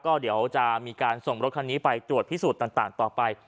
ก็เดี๋ยวจะมีการส่งรถคันนี้ไปตรวจพิสูจน์ต่างต่อไป